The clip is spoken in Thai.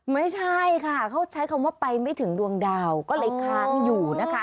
ไม่ใช่ค่ะเขาใช้คำว่าไปไม่ถึงดวงดาวก็เลยค้างอยู่นะคะ